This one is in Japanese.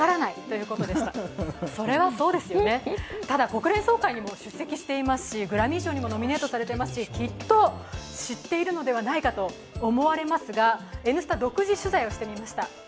国連総会にも出席していますしグラミー賞にもノミネートされていますし、きっと知っているのではないかと思われますが「Ｎスタ」、独自取材をしてみました。